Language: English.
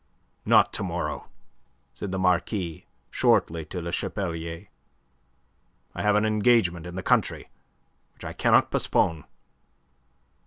"Not to morrow," said the Marquis shortly to Le Chapeher. "I have an engagement in the country, which I cannot postpone."